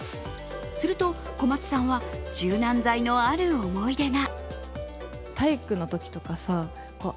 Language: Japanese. すると小松さんは、柔軟剤のある思い出が。